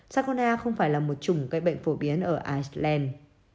salmonella không phải là một trùng gây bệnh phổ biến ở iceland